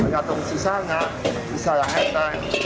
gatung sisanya seadanya ngeteng